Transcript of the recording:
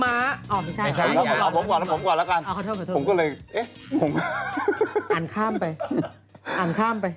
อ่านข้ามไปอ่านข้ามไป